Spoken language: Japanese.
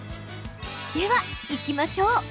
では、いきましょう。